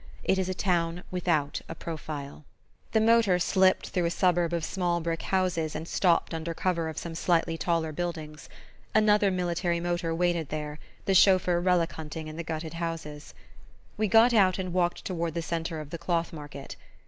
It is a town without a profile. The motor slipped through a suburb of small brick houses and stopped under cover of some slightly taller buildings. Another military motor waited there, the chauffeur relic hunting in the gutted houses. We got out and walked toward the centre of the Cloth Market.